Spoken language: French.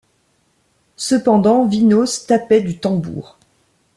Cependant Vinos tapait du tambour.